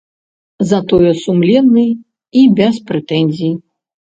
Затое сумленны і без прэтэнзій.